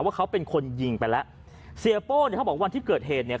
ว่าเขาเป็นคนยิงไปละเสียโบ้เขาบอกว่าวันที่เกิดเหตุเนี่ย